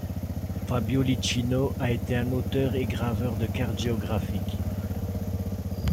Fabio Licinio a été un auteur et graveur de cartes géographiques.